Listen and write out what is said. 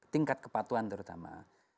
tingkat kepatuan terutama